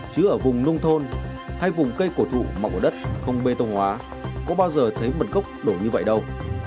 chứ ở vùng nông thôn hay vùng cây cổ thụ mọc ở đất không bê tông hóa có bao giờ thấy bật gốc đổ như vậy đâu